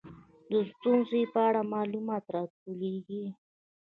د ستونزې په اړه معلومات راټولیږي.